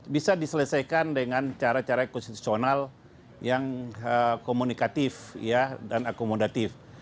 bisa diselesaikan dengan cara cara konstitusional yang komunikatif dan akomodatif